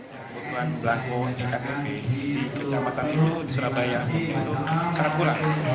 yang kebutuhan belangko iktp di kecamatan itu di surabaya itu sangat kurang